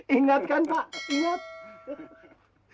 ingatkan pak ingat